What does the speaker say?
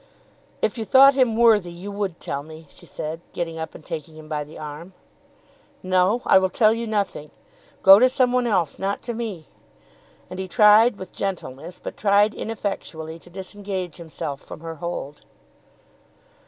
"If you thought him worthy you would tell me," she said, getting up and taking him by the arm. "No; I will tell you nothing. Go to some one else, not to me;" and he tried with gentleness but tried ineffectually to disengage himself from her hold.